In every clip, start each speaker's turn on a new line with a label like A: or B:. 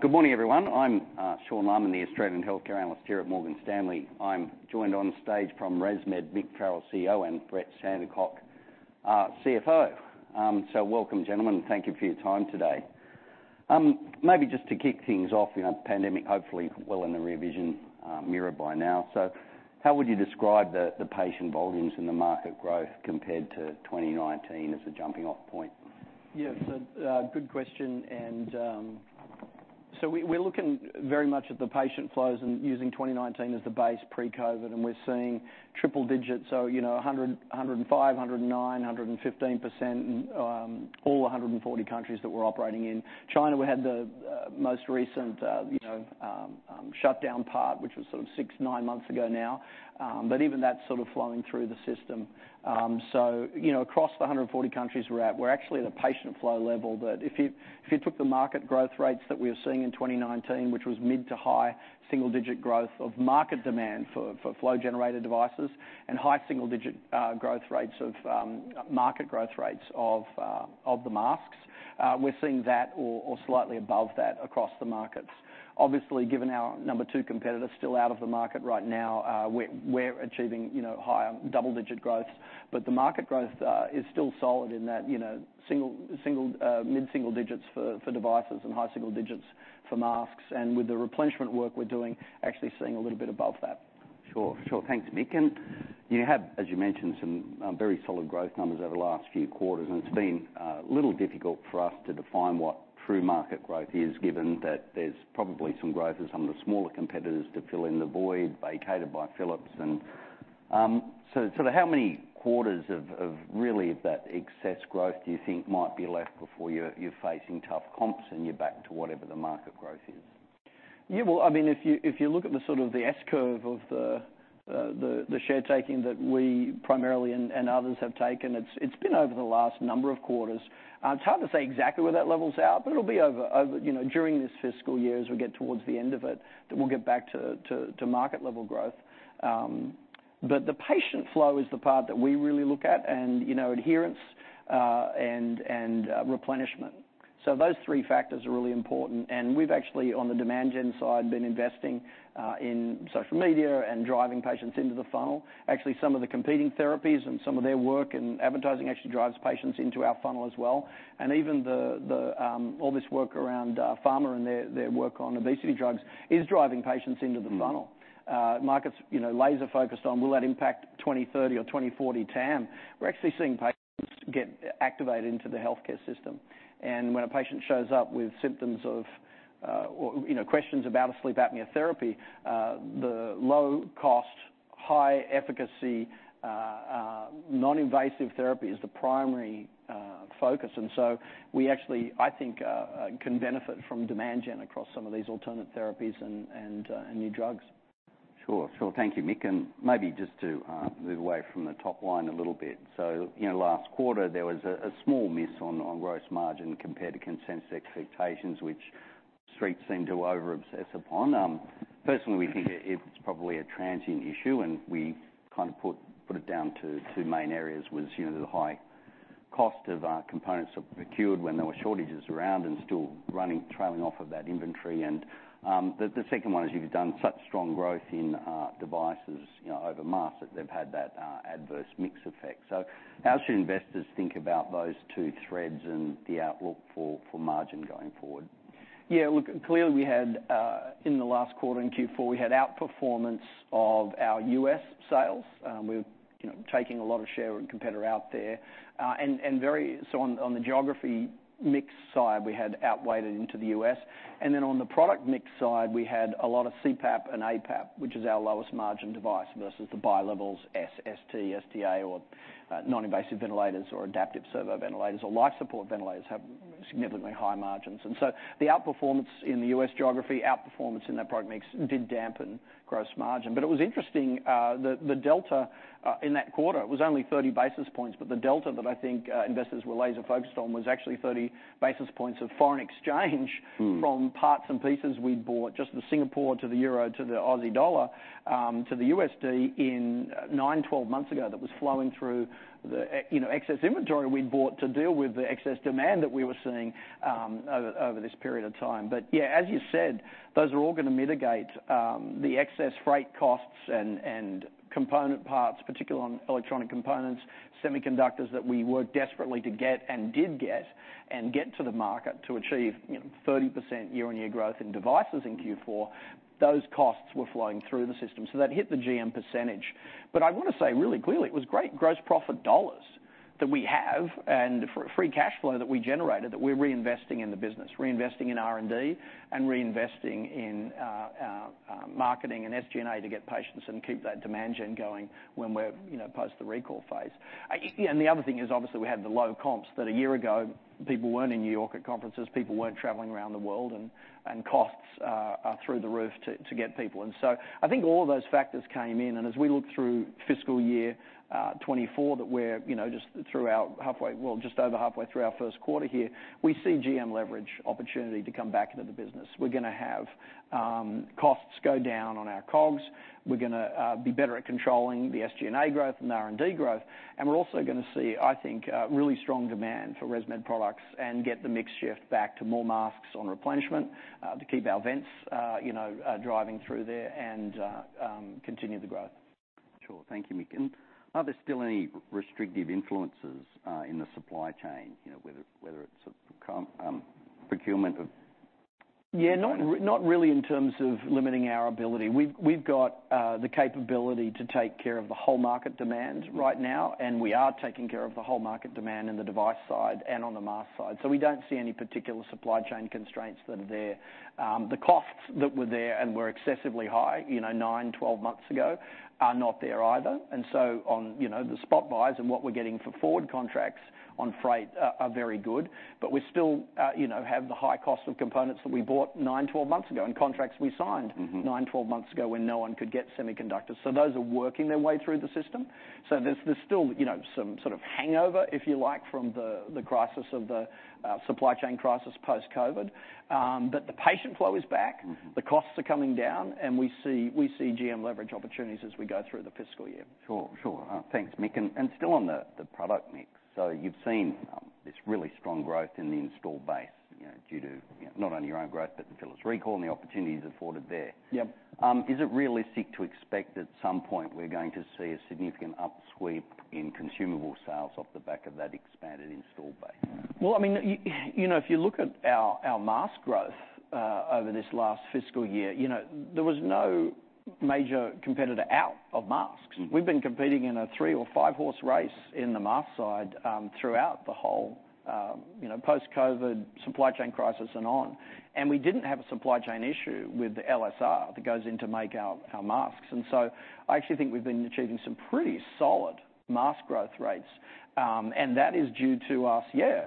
A: Good Morning, everyone. I'm Sean Laaman, the Australian Healthcare Analyst here at Morgan Stanley. I'm joined on stage from ResMed, Mick Farrell, CEO, and Brett Sandercock, CFO. So welcome, gentlemen, thank you for your time today. Maybe just to kick things off, you know, the pandemic hopefully well in the rear vision mirror by now. So how would you describe the patient volumes and the market growth compared to 2019 as a jumping off point?
B: Yeah, so, good question, and, so we, we're looking very much at the patient flows and using 2019 as the base pre-COVID, and we're seeing triple digits, so, you know, 100, 105, 109, 115%, all the 140 countries that we're operating in. China, we had the, most recent, you know, shutdown part, which was sort of 6 to 9 months ago now. But even that's sort of flowing through the system. So, you know, across the 140 countries we're at, we're actually at a patient flow level that if you took the market growth rates that we were seeing in 2019, which was mid- to high single-digit growth of market demand for flow generator devices, and high single-digit growth rates of market growth rates of the masks, we're seeing that or slightly above that across the markets. Obviously, given our number two competitor is still out of the market right now, we're achieving, you know, higher double-digit growth. But the market growth is still solid in that, you know, single, mid-single digits for devices and high single digits for masks. And with the replenishment work we're doing, actually seeing a little bit above that.
A: Sure, sure. Thanks, Mick. You had, as you mentioned, some very solid growth numbers over the last few quarters, and it's been a little difficult for us to define what true market growth is, given that there's probably some growth in some of the smaller competitors to fill in the void vacated by Philips. So sort of how many quarters of really that excess growth do you think might be left before you're facing tough comps and you're back to whatever the market growth is?
B: Yeah, well, I mean, if you, if you look at the sort of the S curve of the share taking that we primarily and others have taken, it's been over the last number of quarters. It's hard to say exactly where that levels out, but it'll be over, you know, during this FY, as we get towards the end of it, that we'll get back to market-level growth. But the patient flow is the part that we really look at, and, you know, adherence, and replenishment. So those three factors are really important. And we've actually, on the demand gen side, been investing in social media and driving patients into the funnel. Actually, some of the competing therapies and some of their work in advertising actually drives patients into our funnel as well. And even all this work around pharma and their work on obesity drugs is driving patients into the funnel.
A: Mm-hmm.
B: Market's, you know, laser focused on will that impact 2030 or 2040 TAM. We're actually seeing patients get activated into the healthcare system. And when a patient shows up with symptoms of, or, you know, questions about a sleep apnea therapy, the low cost, high efficacy, non-invasive therapy is the primary focus. And so we actually, I think, can benefit from demand gen across some of these alternate therapies and new drugs.
A: Sure. Sure. Thank you, Mick. And maybe just to move away from the top line a little bit. So, you know, last quarter, there was a small miss on gross margin compared to consensus expectations, which Street seemed to over-obsess upon. Personally, we think it's probably a transient issue, and we kind of put it down to two main areas, you know, the high cost of components that were procured when there were shortages around, and still running trailing off of that inventory. And the second one is you've done such strong growth in devices, you know, over mass, that they've had that adverse mix effect. So how should investors think about those two threads and the outlook for margin going forward?
B: Yeah, look, clearly, we had in the last quarter, in Q4, we had outperformance of our U.S. sales. We were, you know, taking a lot of share and competitor out there. And so on, on the geography mix side, we had outweighed it into the U.S. And then on the product mix side, we had a lot of CPAP and APAP, which is our lowest margin device, versus the Bi-levels S, ST, STA, or non-invasive ventilators or adaptive servo ventilators or life support ventilators have significantly higher margins. And so the outperformance in the U.S. geography, outperformance in that product mix, did dampen gross margin. But it was interesting, the delta in that quarter was only 30 basis points, but the delta that I think investors were laser focused on was actually 30 basis points of foreign exchange-
A: Hmm...
B: From parts and pieces we'd bought, just the Singapore dollar to the euro, to the Australian dollar, to the U.S. dollar in 9 to 12 months ago, that was flowing through the, you know, excess inventory we'd bought to deal with the excess demand that we were seeing over this period of time. But yeah, as you said, those are all going to mitigate the excess freight costs and component parts, particularly on electronic components, semiconductors that we worked desperately to get and did get, and get to the market to achieve, you know, 30% year-on-year growth in devices in Q4. Those costs were flowing through the system, so that hit the GM percentage. But I want to say really clearly, it was great gross profit dollars that we have and for free cash flow that we generated, that we're reinvesting in the business, reinvesting in R&D, and reinvesting in, marketing and SG&A to get patients and keep that demand gen going when we're, you know, post the recall phase. And the other thing is, obviously, we had the low comps that a year ago, people weren't in New York at conferences, people weren't traveling around the world, and costs are through the roof to get people. And so I think all of those factors came in, and as we look through FY 2024, that we're, you know, just throughout halfway. Well, just over halfway through our Q1 here, we see GM leverage opportunity to come back into the business. We're going to have costs go down on our COGS. We're going to be better at controlling the SG&A growth and R&D growth. And we're also going to see, I think, really strong demand for ResMed products and get the mix shift back to more masks on replenishment to keep our vents you know driving through there and continue the growth....
A: Sure. Thank you, Mick. Are there still any restrictive influences in the supply chain? You know, whether it's a com procurement of-
B: Yeah, not really in terms of limiting our ability. We've got the capability to take care of the whole market demand right now, and we are taking care of the whole market demand in the device side and on the mask side. So we don't see any particular supply chain constraints that are there. The costs that were there and were excessively high, you know, 9, 12 months ago, are not there either. And so on, you know, the spot buys and what we're getting for forward contracts on freight are very good, but we still, you know, have the high cost of components that we bought 9, 12 months ago, and contracts we signed-
A: Mm-hmm...
B: 9, 12 months ago when no one could get semiconductors. So those are working their way through the system. So there's still, you know, some sort of hangover, if you like, from the crisis of the supply chain crisis Post-COVID. But the patient flow is back.
A: Mm-hmm.
B: The costs are coming down, and we see, we see GM leverage opportunities as we go through the FY.
A: Sure. Sure. Thanks, Mick. And still on the product mix, so you've seen this really strong growth in the installed base, you know, due to, you know, not only your own growth, but the Philips recall and the opportunities afforded there.
B: Yep.
A: Is it realistic to expect at some point we're going to see a significant upsweep in consumable sales off the back of that expanded installed base?
B: Well, I mean, you know, if you look at our mask growth over this last FY, you know, there was no major competitor out of masks.
A: Mm-hmm.
B: We've been competing in a three or five-horse race in the mask side, throughout the whole, you know, Post-COVID supply chain crisis and on, and we didn't have a supply chain issue with the LSR that goes in to make our, our masks. And so I actually think we've been achieving some pretty solid mask growth rates, and that is due to us, yeah,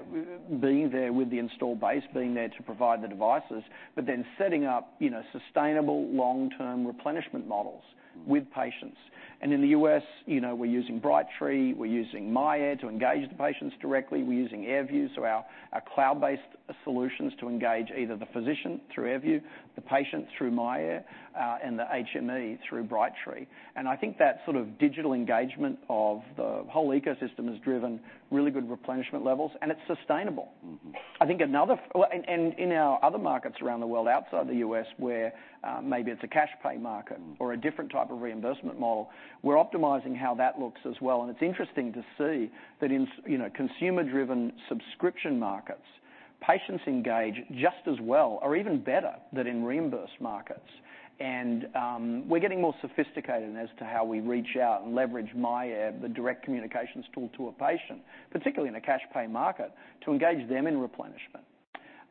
B: being there with the installed base, being there to provide the devices, but then setting up, you know, sustainable long-term replenishment models with patients. And in the U.S., you know, we're using Brightree, we're using myAir to engage the patients directly. We're using AirView, so our, our cloud-based solutions to engage either the physician through AirView, the patient through myAir, and the HME through Brightree. I think that sort of digital engagement of the whole ecosystem has driven really good replenishment levels, and it's sustainable.
A: Mm-hmm.
B: I think another... Well, and, and in our other markets around the world, outside the U.S., where maybe it's a cash pay market-
A: Mm...
B: or a different type of reimbursement model, we're optimizing how that looks as well. It's interesting to see that in, you know, consumer-driven subscription markets, patients engage just as well or even better than in reimbursed markets. We're getting more sophisticated as to how we reach out and leverage myAir, the direct communications tool, to a patient, particularly in a cash pay market, to engage them in replenishment.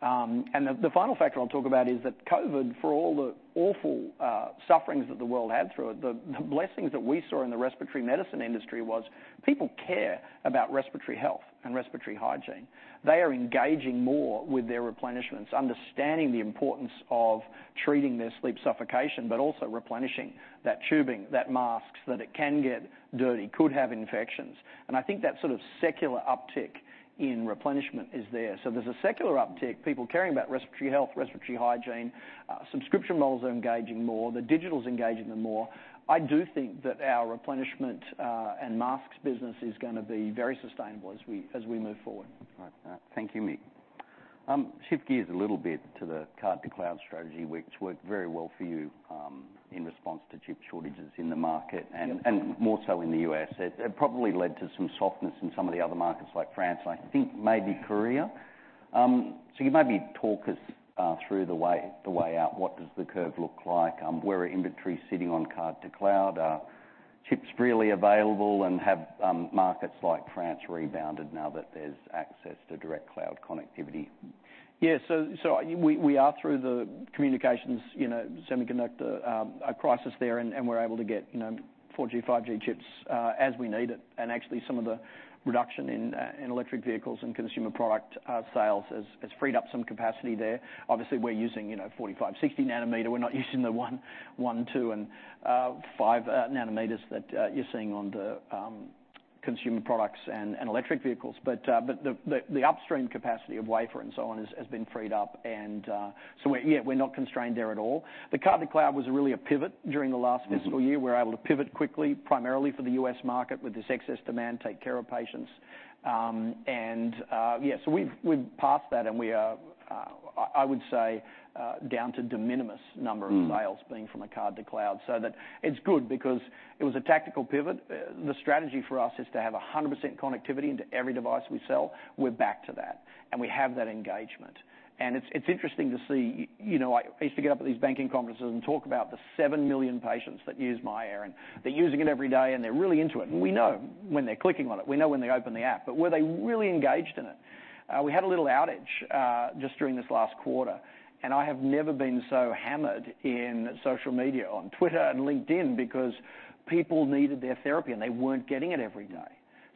B: The final factor I'll talk about is that COVID, for all the awful sufferings that the world had through it, the blessings that we saw in the respiratory medicine industry was people care about respiratory health and respiratory hygiene. They are engaging more with their replenishments, understanding the importance of treating their sleep suffocation, but also replenishing that tubing, that mask, that it can get dirty, could have infections. I think that sort of secular uptick in replenishment is there. There's a secular uptick, people caring about respiratory health, respiratory hygiene. Subscription models are engaging more. The digital's engaging them more. I do think that our replenishment and masks business is gonna be very sustainable as we, as we move forward.
A: All right. Thank you, Mick. Shift gears a little bit to the Card-to-Cloud strategy, which worked very well for you, in response to chip shortages in the market-
B: Yep...
A: and more so in the U.S. It probably led to some softness in some of the other markets like France, and I think maybe Korea. So you maybe talk us through the way out. What does the curve look like? Where are inventory sitting on Card-to-Cloud? Are chips freely available, and have markets like France rebounded now that there's access to direct cloud connectivity?
B: Yeah, so we are through the communications, you know, semiconductor crisis there, and we're able to get, you know, 4G, 5G chips as we need it. And actually, some of the reduction in electric vehicles and consumer product sales has freed up some capacity there. Obviously, we're using, you know, 45, 60 nanometer. We're not using the 1, 2, and 5 nanometers that you're seeing on the consumer products and electric vehicles. But the upstream capacity of wafer and so on has been freed up, and so we're... Yeah, we're not constrained there at all. The Card-to-Cloud was really a pivot during the last FY.
A: Mm-hmm
B: We were able to pivot quickly, primarily for the U.S. market, with this excess demand, take care of patients. We've passed that, and we are down to de minimis number of sales-
A: Mm...
B: being from a Card-to-Cloud. So that it's good because it was a tactical pivot. The strategy for us is to have 100% connectivity into every device we sell. We're back to that, and we have that engagement. And it's, it's interesting to see... You know, I used to get up at these banking conferences and talk about the 7 million patients that use myAir, and they're using it every day, and they're really into it. We know when they're clicking on it. We know when they open the app, but were they really engaged in it? We had a little outage just during this last quarter, and I have never been so hammered in social media, on Twitter and LinkedIn, because people needed their therapy, and they weren't getting it every day.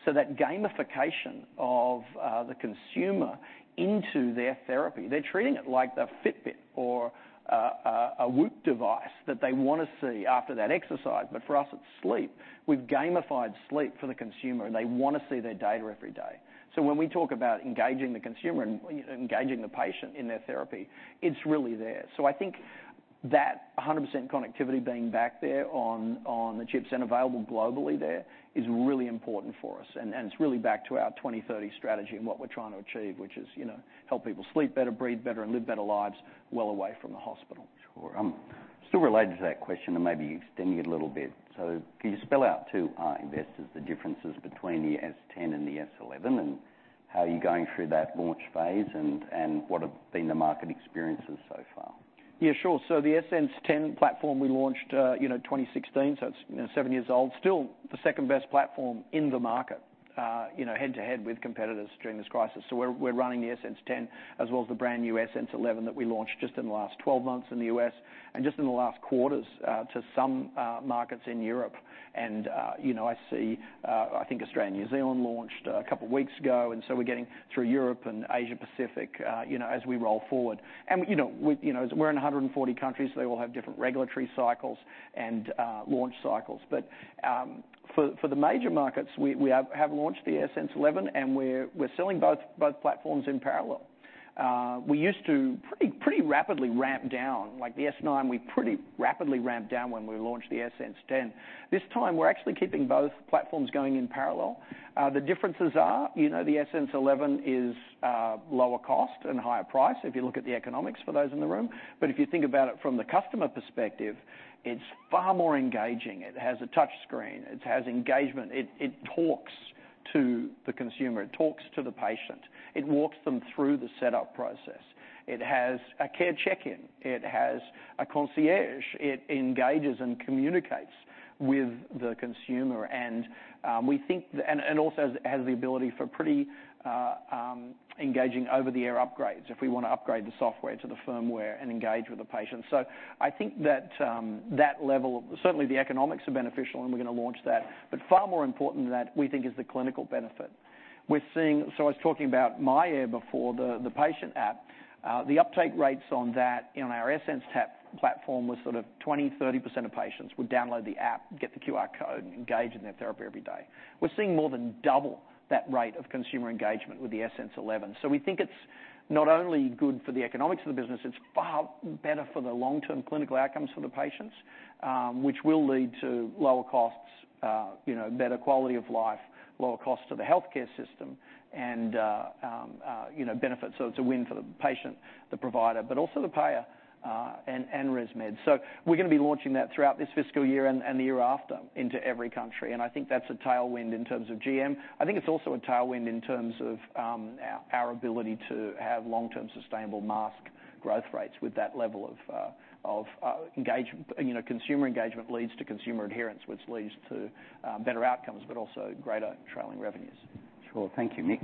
B: So that gamification of the consumer into their therapy, they're treating it like a Fitbit or a Whoop device that they wanna see after that exercise. But for us, it's sleep. We've gamified sleep for the consumer, and they wanna see their data every day. So when we talk about engaging the consumer and, you know, engaging the patient in their therapy, it's really there. So I think that 100% connectivity being back there on the chips and available globally there is really important for us, and it's really back to our 2030 strategy and what we're trying to achieve, which is, you know, help people sleep better, breathe better, and live better lives well away from the hospital.
A: Sure. Still related to that question and maybe extending it a little bit. So can you spell out to our investors the differences between the S10 and the S11, and how are you going through that launch phase, and what have been the market experiences so far?
B: Yeah, sure. So the AirSense 10 platform we launched, you know, 2016, so it's, you know, 7 years old. Still the second-best platform in the market, you know, head-to-head with competitors during this crisis. So we're running the AirSense 10, as well as the brand-new AirSense 11 that we launched just in the last 12 months in the U.S., and just in the last quarters to some markets in Europe. And, you know, I see, I think Australia and New Zealand launched a couple of weeks ago, and so we're getting through Europe and Asia Pacific, you know, as we roll forward. And, you know, we're in 140 countries, they all have different regulatory cycles and launch cycles. But for the major markets, we have launched the AirSense 11, and we're selling both platforms in parallel. We used to pretty rapidly ramp down, like the S9, we pretty rapidly ramped down when we launched the AirSense 10. This time, we're actually keeping both platforms going in parallel. The differences are, you know, the AirSense 11 is lower cost and higher price, if you look at the economics for those in the room. But if you think about it from the customer perspective, it's far more engaging. It has a touch screen, it has engagement, it talks to the consumer, it talks to the patient, it walks them through the setup process. It has a Care Check-in, it has a concierge, it engages and communicates with the consumer. We think, and also has the ability for pretty engaging over-the-air upgrades, if we wanna upgrade the software to the firmware and engage with the patient. So I think that level certainly, the economics are beneficial, and we're gonna launch that. But far more important than that, we think, is the clinical benefit. We're seeing. So I was talking about myAir before, the patient app. The uptake rates on that in our AirSense platform was sort of 20% to 30% of patients would download the app, get the QR code, and engage in their therapy every day. We're seeing more than double that rate of consumer engagement with the AirSense 11. So we think it's not only good for the economics of the business, it's far better for the long-term clinical outcomes for the patients, which will lead to lower costs, you know, better quality of life, lower cost to the healthcare system, and, you know, benefits. So it's a win for the patient, the provider, but also the payer, and ResMed. So we're gonna be launching that throughout this FY and the year after into every country, and I think that's a tailwind in terms of GM. I think it's also a tailwind in terms of our ability to have long-term, sustainable mask growth rates with that level of engagement. You know, consumer engagement leads to consumer adherence, which leads to better outcomes, but also greater trailing revenues.
A: Sure. Thank you, Mick.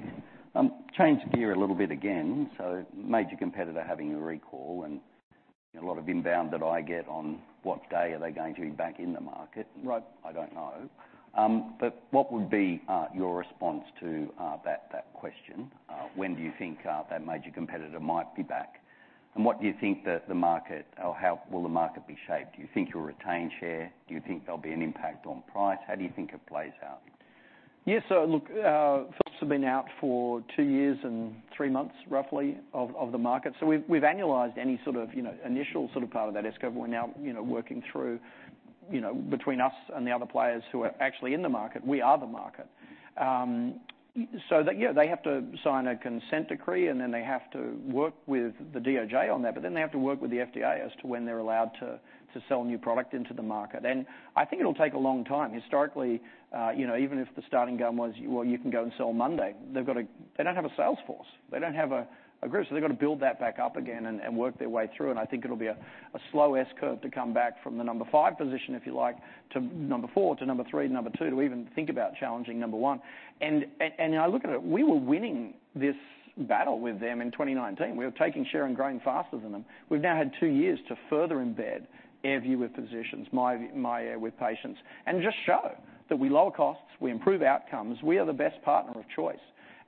A: Change gear a little bit again. So major competitor having a recall and a lot of inbound that I get on, what day are they going to be back in the market?
B: Right.
A: I don't know. But what would be your response to that question? When do you think that major competitor might be back, and what do you think the market... Or how will the market be shaped? Do you think you'll retain share? Do you think there'll be an impact on price? How do you think it plays out?
B: Yes, so look, Philips have been out for 2 years and 3 months, roughly, of the market. So we've annualized any sort of, you know, initial sort of part of that S-curve. We're now, you know, working through, you know, between us and the other players who are actually in the market. We are the market. So that, yeah, they have to sign a consent decree, and then they have to work with the DOJ on that, but then they have to work with the FDA as to when they're allowed to sell new product into the market. And I think it'll take a long time. Historically, you know, even if the starting gun was, well, you can go and sell on Monday, they've got to, they don't have a sales force, they don't have a group, so they've got to build that back up again and work their way through. And I think it'll be a slow S-curve to come back from the number five position, if you like, to number four, to number three, number two, to even think about challenging number one. And I look at it, we were winning this battle with them in 2019. We were taking share and growing faster than them. We've now had two years to further embed AirView with physicians, myAir with patients, and just show that we lower costs, we improve outcomes, we are the best partner of choice,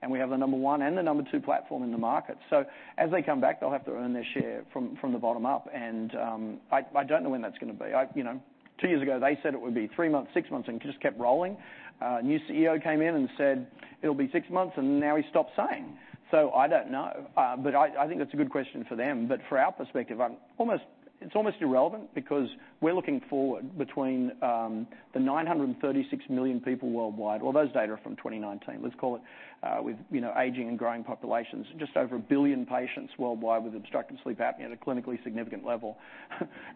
B: and we have the number one and the number two platform in the market. So as they come back, they'll have to earn their share from the bottom up, and I don't know when that's gonna be. You know, two years ago, they said it would be 3 months, 6 months, and it just kept rolling. New CEO came in and said, "It'll be 6 months," and now he stops saying. So I don't know, but I think that's a good question for them. But for our perspective, it's almost irrelevant because we're looking forward between the 936 million people worldwide. Well, those data are from 2019. Let's call it, with, you know, aging and growing populations, just over 1 billion patients worldwide with obstructive sleep apnea at a clinically significant level.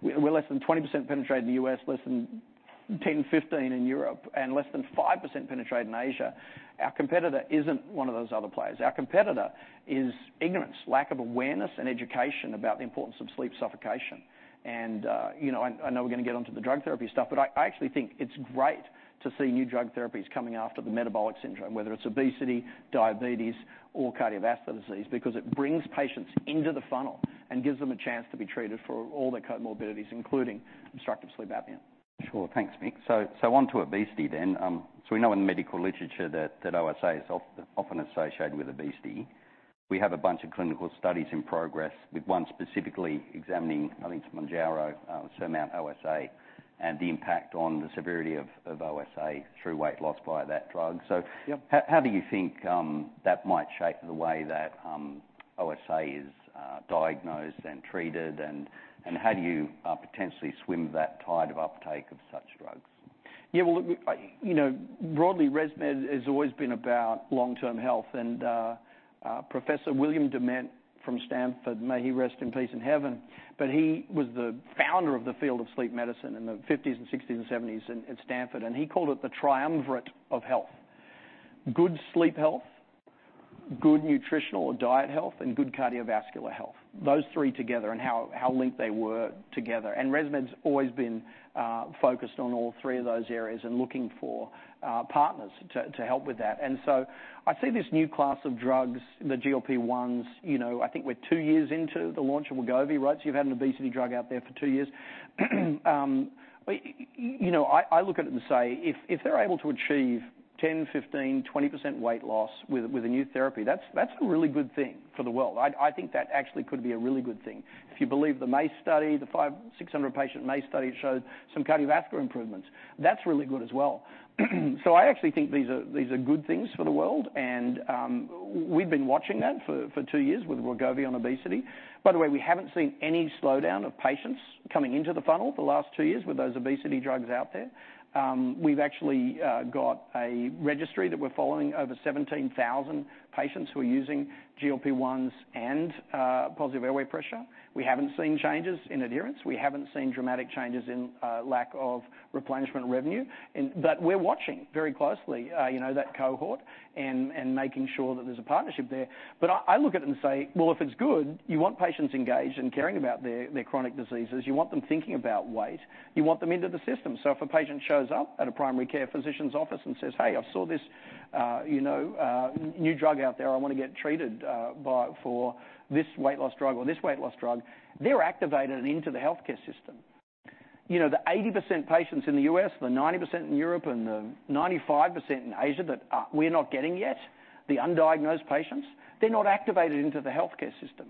B: We're less than 20% penetration in the U.S., less than 10% to 15% in Europe, and less than 5% penetration in Asia. Our competitor isn't one of those other players. Our competitor is ignorance, lack of awareness and education about the importance of sleep suffocation. And, you know, I know we're gonna get onto the drug therapy stuff, but I actually think it's great to see new drug therapies coming after the metabolic syndrome, whether it's obesity, diabetes, or cardiovascular disease, because it brings patients into the funnel and gives them a chance to be treated for all their comorbidities, including obstructive sleep apnea.
A: Sure. Thanks, Mick. So, so on to obesity then. So we know in the medical literature that, that OSA is often associated with obesity. We have a bunch of clinical studies in progress, with one specifically examining, I think, semaglutide, SURMOUNT-OSA, and the impact on the severity of, of OSA through weight loss by that drug.
B: Yep.
A: So, how do you think that might shape the way that OSA is diagnosed and treated, and how do you potentially swim that tide of uptake of such drugs?...
B: Yeah, well, look, you know, broadly, ResMed has always been about long-term health. And Professor William Dement from Stanford, may he rest in peace in Heaven, but he was the founder of the field of sleep medicine in the '50s and '60s and '70s at Stanford, and he called it the triumvirate of health. Good sleep health, good nutritional or diet health, and good cardiovascular health. Those three together and how linked they were together. And ResMed's always been focused on all three of those areas and looking for partners to help with that. And so I see this new class of drugs, the GLP-1s, you know, I think we're two years into the launch of Wegovy, right? So you've had an obesity drug out there for two years. But you know, I look at it and say, if they're able to achieve 10, 15, 20% weight loss with a new therapy, that's a really good thing for the world. I think that actually could be a really good thing. If you believe the MAY study, the 500 to 600 patient MAY study showed some cardiovascular improvements. That's really good as well. So I actually think these are good things for the world, and we've been watching that for two years with Wegovy on obesity. By the way, we haven't seen any slowdown of patients coming into the funnel the last two years with those obesity drugs out there. We've actually got a registry that we're following over 17,000 patients who are using GLP-1s and positive airway pressure. We haven't seen changes in adherence. We haven't seen dramatic changes in lack of replenishment revenue, and. But we're watching very closely, you know, that cohort and making sure that there's a partnership there. But I look at it and say, well, if it's good, you want patients engaged and caring about their chronic diseases. You want them thinking about weight. You want them into the system. So if a patient shows up at a primary care physician's office and says, "Hey, I saw this, you know, new drug out there, I wanna get treated for this weight loss drug or this weight loss drug," they're activated into the healthcare system. You know, the 80% patients in the U.S., the 90% in Europe, and the 95% in Asia that we're not getting yet, the undiagnosed patients, they're not activated into the healthcare system.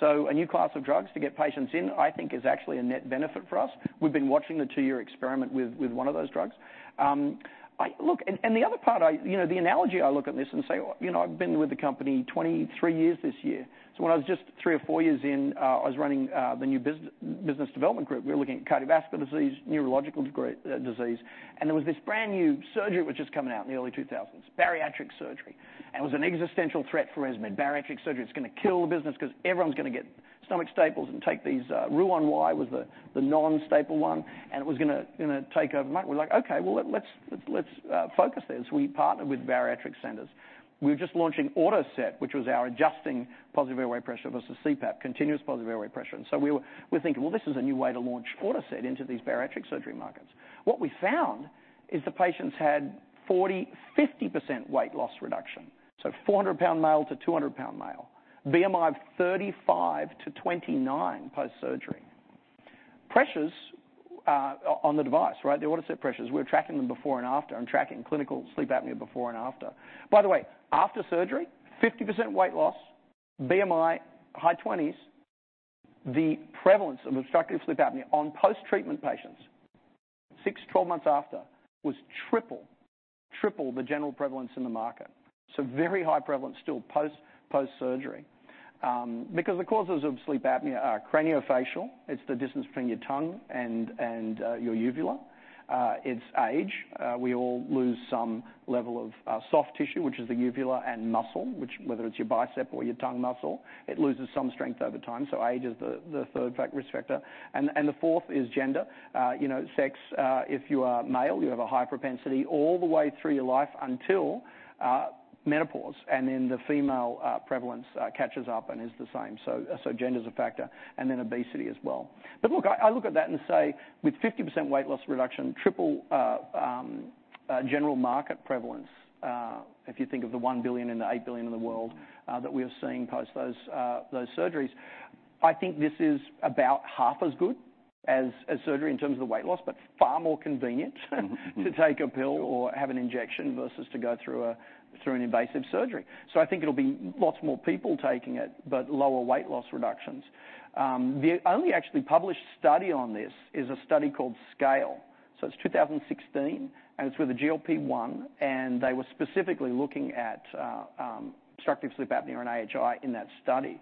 B: So a new class of drugs to get patients in, I think, is actually a net benefit for us. We've been watching the two-year experiment with one of those drugs. Look, and the other part, I... You know, the analogy, I look at this and say, Well, you know, I've been with the company 23 years this year. So when I was just 3 or 4 years in, I was running the new business development group. We were looking at cardiovascular disease, neurological disease, and there was this brand-new surgery which was just coming out in the early 2000s, bariatric surgery. It was an existential threat for ResMed. Bariatric surgery, it's gonna kill the business 'cause everyone's gonna get stomach staples and take these, Roux-en-Y was the non-staple one, and it was gonna take over. We're like: Okay, well, let's focus this. We partnered with bariatric centers. We were just launching AutoSet, which was our adjusting positive airway pressure versus CPAP, continuous positive airway pressure. And so we were, we're thinking: Well, this is a new way to launch AutoSet into these bariatric surgery markets. What we found is the patients had 40% to 50% weight loss reduction, so 400-pound male to 200-pound male, BMI of 35 to 29 post-surgery. Pressures on the device, right, the AutoSet pressures, we're tracking them before and after and tracking clinical sleep apnea before and after. By the way, after surgery, 50% weight loss, BMI high 20s, the prevalence of obstructive Sleep Apnea on post-treatment patients 6-12 months after was triple, triple the general prevalence in the market. So very high prevalence still post-surgery. Because the causes of Sleep Apnea are craniofacial. It's the distance between your tongue and your uvula. It's age. We all lose some level of soft tissue, which is the uvula and muscle, which, whether it's your bicep or your tongue muscle, it loses some strength over time. So age is the third factor, risk factor. And the fourth is gender. You know, sex, if you are male, you have a high propensity all the way through your life until menopause, and then the female prevalence catches up and is the same. So, gender is a factor, and then obesity as well. But look, I look at that and say, with 50% weight loss reduction, triple general market prevalence, if you think of the 1 billion and the 8 billion in the world, that we are seeing post those surgeries, I think this is about half as good as surgery in terms of the weight loss, but far more convenient-...
A: Mm-hmm.
B: -to take a pill or have an injection versus to go through a, through an invasive surgery. So I think it'll be lots more people taking it, but lower weight loss reductions. The only actually published study on this is a study called SCALE. So it's 2016, and it's with a GLP-1, and they were specifically looking at obstructive sleep apnea and AHI in that study.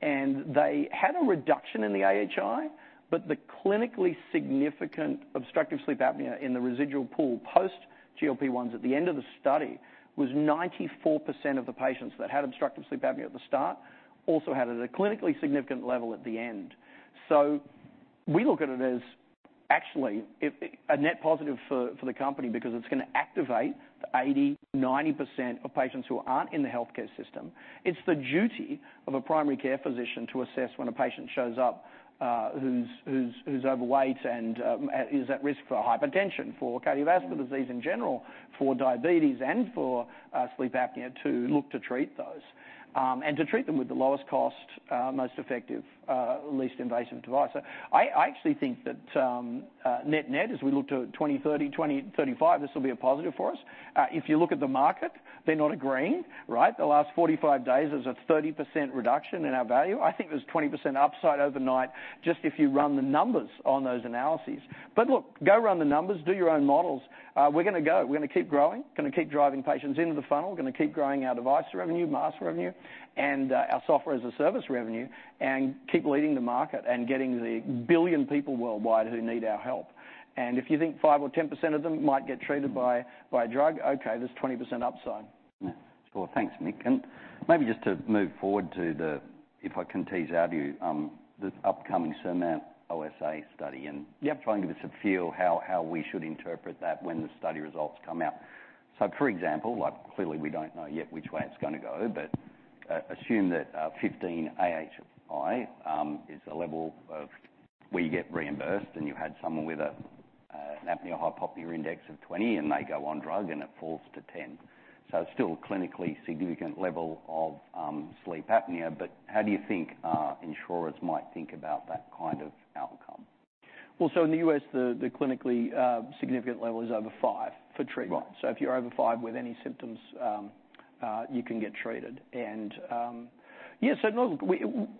B: And they had a reduction in the AHI, but the clinically significant obstructive sleep apnea in the residual pool, post GLP-1s at the end of the study, was 94% of the patients that had obstructive sleep apnea at the start also had it at a clinically significant level at the end. So we look at it as actually it's a net positive for the company because it's gonna activate the 80-90% of patients who aren't in the healthcare system. It's the duty of a primary care physician to assess when a patient shows up, who's overweight and is at risk for hypertension, for cardiovascular disease in general, for diabetes, and for sleep apnea, to look to treat those and to treat them with the lowest cost, most effective, least invasive device. So I actually think that net-net, as we look to 2030, 2035, this will be a positive for us. If you look at the market, they're not agreeing, right? The last 45 days, there's a 30% reduction in our value. I think there's 20% upside overnight, just if you run the numbers on those analyses. But look, go run the numbers, do your own models. We're gonna go. We're gonna keep growing, gonna keep driving patients into the funnel, gonna keep growing our device revenue, mask revenue, and our software as a service revenue, and keep leading the market and getting the 1 billion people worldwide who need our help. And if you think 5% or 10% of them might get treated by a drug, okay, there's 20% upside.
A: Yeah. Well, thanks, Mick. And maybe just to move forward to the, if I can tease out of you, the upcoming SURMOUNT-OSA study, and-
B: Yeah.
A: Trying to give us a feel how, how we should interpret that when the study results come out. So, for example, like, clearly, we don't know yet which way it's gonna go, but assume that 15 AHI is a level of where you get reimbursed, and you had someone with a apnea-hypopnea index of 20, and they go on drug, and it falls to 10. So still a clinically significant level of Sleep Apnea, but how do you think insurers might think about that kind of outcome?
B: Well, so in the U.S., the clinically significant level is over five for treatment.
A: Right.
B: So if you're over five with any symptoms, you can get treated. And, yeah, so look,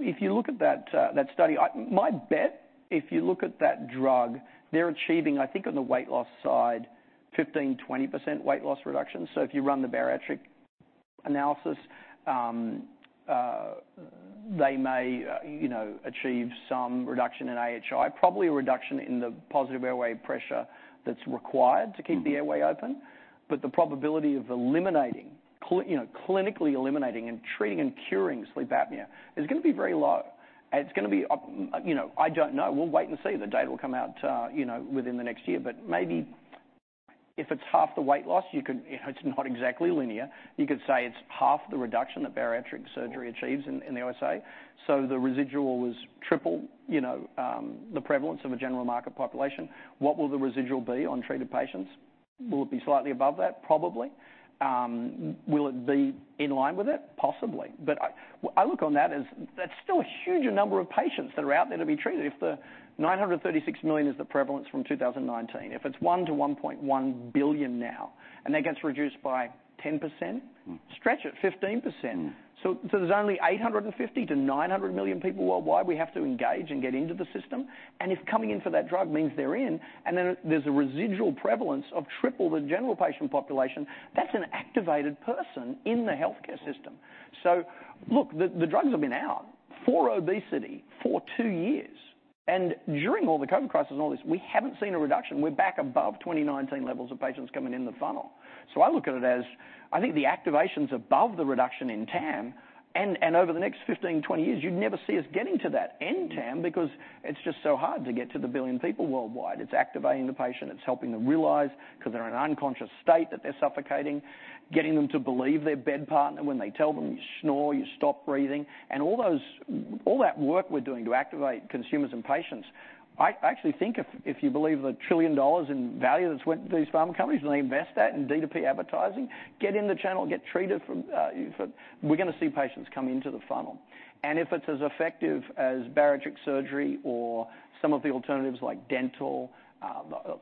B: if you look at that, that study, my bet, if you look at that drug, they're achieving, I think on the weight loss side, 15% to 20% weight loss reduction. So if you run the bariatric analysis, they may, you know, achieve some reduction in AHI, probably a reduction in the positive airway pressure that's required-
A: Mm-hmm...
B: to keep the airway open. But the probability of eliminating, you know, clinically eliminating and treating and curing sleep apnea is gonna be very low. And it's gonna be, you know, I don't know. We'll wait and see. The data will come out, you know, within the next year. But maybe if it's half the weight loss, you could... You know, it's not exactly linear. You could say it's half the reduction that bariatric surgery-
A: Sure...
B: achieves in the U.S.A, so the residual is triple, you know, the prevalence of a general market population. What will the residual be on treated patients? Will it be slightly above that? Probably. Will it be in line with it? Possibly. But I look on that as that's still a huge number of patients that are out there to be treated. If the 936 million is the prevalence from 2019, if it's 1-1.1 billion now, and that gets reduced by 10%-
A: Mm.
B: Stretch it, 15%.
A: Mm.
B: So, so there's only 850 to 900 million people worldwide we have to engage and get into the system, and if coming in for that drug means they're in, and then there's a residual prevalence of triple the general patient population, that's an activated person in the healthcare system. So look, the, the drugs have been out for obesity for two years, and during all the COVID crisis and all this, we haven't seen a reduction. We're back above 2019 levels of patients coming in the funnel. So I look at it as, I think the activation's above the reduction in TAM, and, and over the next 15 to 20 years, you'd never see us getting to that end TAM-
A: Mm...
B: because it's just so hard to get to the 1 billion people worldwide. It's activating the patient. It's helping them realize, 'cause they're in an unconscious state, that they're suffocating, getting them to believe their bed partner when they tell them, "You snore, you stop breathing." And all that work we're doing to activate consumers and patients, I actually think if you believe the $1 trillion in value that's went to these pharma companies, and they invest that in DTP advertising, get in the channel, and get treated for... We're gonna see patients come into the funnel. And if it's as effective as bariatric surgery or some of the alternatives like dental,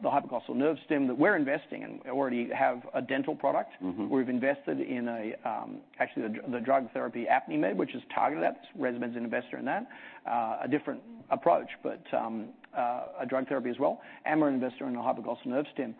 B: the hypoglossal nerve stim, that we're investing in. We already have a dental product.
A: Mm-hmm.
B: We've invested in actually the drug therapy, which is targeted at— ResMed's an investor in that. A different approach, but a drug therapy as well, and we're an investor in a hypoglossal nerve stim.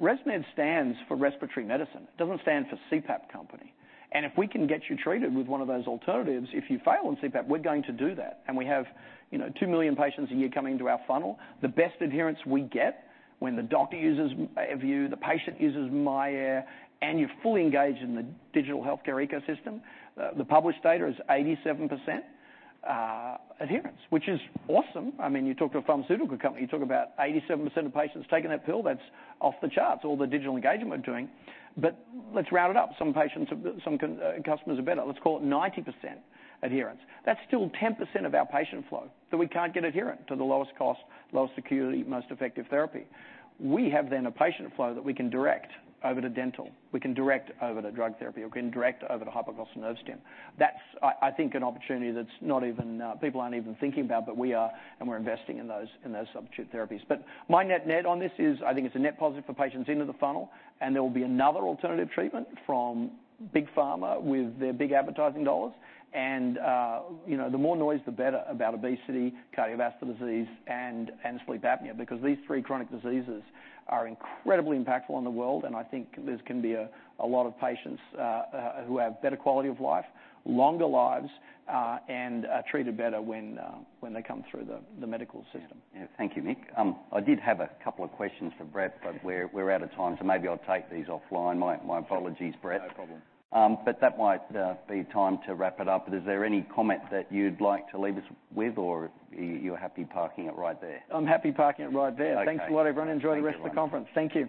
B: ResMed stands for respiratory medicine. It doesn't stand for CPAP company. And if we can get you treated with one of those alternatives, if you fail on CPAP, we're going to do that. And we have, you know, 2 million patients a year coming into our funnel. The best adherence we get when the doctor uses AirView, the patient uses myAir, and you're fully engaged in the digital healthcare ecosystem. The published data is 87% adherence, which is awesome. I mean, you talk to a pharmaceutical company, you talk about 87% of patients taking that pill, that's off the charts, all the digital engagement we're doing. But let's round it up. Some patients, some customers are better. Let's call it 90% adherence. That's still 10% of our patient flow that we can't get adherent to the lowest cost, lowest security, most effective therapy. We have then a patient flow that we can direct over to dental, we can direct over to drug therapy, or we can direct over to hypoglossal nerve stim. That's, I think, an opportunity that's not even... People aren't even thinking about, but we are, and we're investing in those, in those substitute therapies. My net-net on this is, I think it's a net positive for patients into the funnel, and there will be another alternative treatment from Big Pharma with their big advertising dollars. You know, the more noise, the better about obesity, cardiovascular disease, and Sleep Apnea, because these three chronic diseases are incredibly impactful on the world, and I think this can be a lot of patients who have better quality of life, longer lives, and treated better when they come through the medical system.
A: Yeah. Thank you, Mick. I did have a couple of questions for Brett, but we're out of time, so maybe I'll take these offline. My apologies, Brett. No problem. But that might be time to wrap it up. But is there any comment that you'd like to leave us with, or you're happy parking it right there?
B: I'm happy parking it right there.
A: Okay.
B: Thanks a lot, everyone.
A: Thank you.
B: Enjoy the rest of the conference. Thank you.